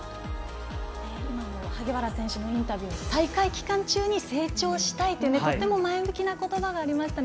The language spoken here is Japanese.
今の萩原選手のインタビュー大会期間中に成長したいというとても前向きなことばがありましたね。